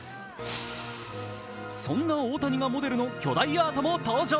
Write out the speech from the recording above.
そんな大谷がモデルの巨大アートも登場。